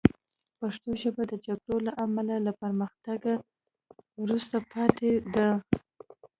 پښتو ژبه د جګړو له امله له پرمختګ وروسته پاتې ده